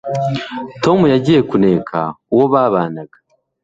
Tom yagiye kuneka uwo babanaga